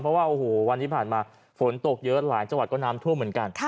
เพราะว่าโอ้โหวันที่ผ่านมาฝนตกเยอะหลายจังหวัดก็น้ำท่วมเหมือนกัน